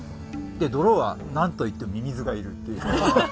泥は何といってもミミズがいるっていう。